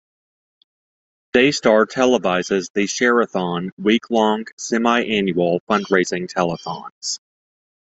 Daystar televises the Sharathon, week-long, semi-annual fundraising telethons.